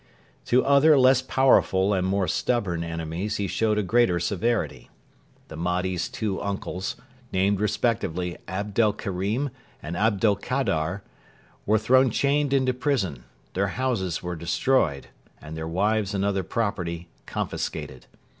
To other less powerful and more stubborn enemies he showed a greater severity. The Mahdi's two uncles, named respectively Abdel Kerim and Abdel Kader, were thrown chained into prison, their houses were destroyed, and their wives and other property confiscated.